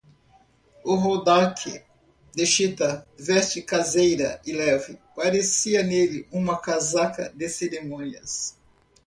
O rodaque de chita, veste caseira e leve, parecia nele uma casaca de cerimônia.